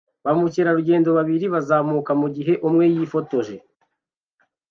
Ba mukerarugendo babiri bazamuka mugihe umwe yifotoje